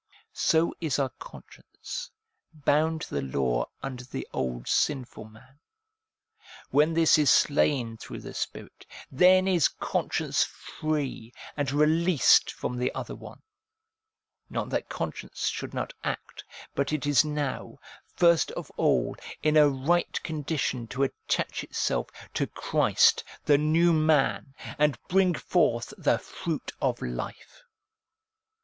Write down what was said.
So is our conscience bound to the law under the old sinful man ; when this is slain through the Spirit, then is conscience free, and released from the other one. Not that conscience should not act, but it is now, first of all, in a right condition to attach itself to Christ, the New Man, and bring forth the fruit of life.